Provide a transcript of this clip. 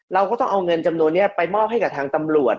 เราก็ต้องเอาเงินจำนวนนี้ไปมอบให้กับทางตำรวจ